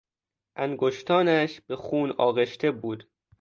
انگشتانش به خون آغشته بود.